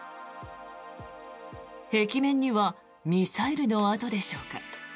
壁面にはミサイルの跡でしょうか